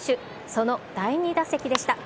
その第２打席でした。